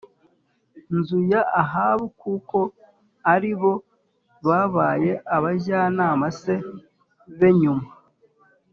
nzu ya Ahabu kuko ari bo babaye abajyanama s be nyuma